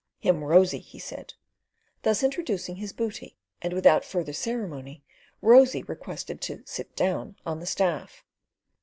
"Him Rosy!" he said, thus introducing his booty and without further ceremony Rosy requested permission to "sit down" on the staff.